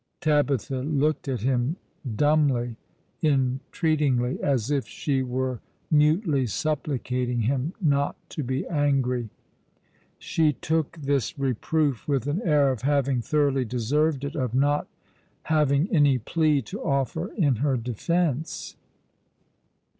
Tabitha looked at him dumbly — entreatingly — as if she were mutely supplicating him not to be angry. She took this reproof with an air of having thoroughly deserved it, of not having any pica to offer in her defence.